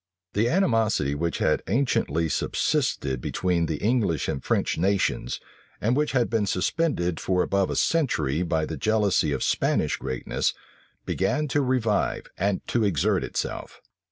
The animosity which had anciently subsisted between the English and French nations, and which had been suspended for above a century by the jealousy of Spanish greatness, began to revive and to exert itself.